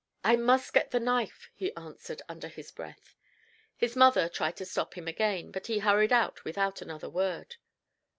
"I must get the knife," he answered, under his breath. His mother tried to stop him again, but he hurried out without another word.